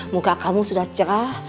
muka kamu sudah cerah